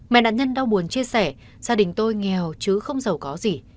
mẹ nạn nhân đau buồn chia sẻ gia đình tôi nghèo chứ không giàu có gì